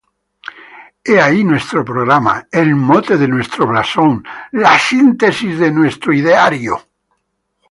He ahí nuestro programa, el mote de nuestro blasón, la síntesis de nuestro ideario".